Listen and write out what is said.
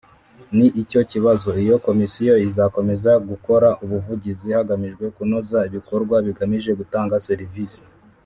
ni icyo kibazo Iyo Komisiyo izakomeza gukora ubuvugizi hagamijwe kunoza ibikorwa bigamije gutanga serivisi